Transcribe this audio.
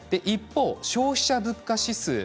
一方、消費者物価指数